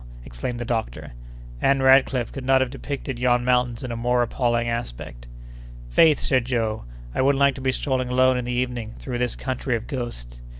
exclaimed the doctor. "Ann Radcliffe could not have depicted yon mountains in a more appalling aspect." "Faith!" said Joe, "I wouldn't like to be strolling alone in the evening through this country of ghosts.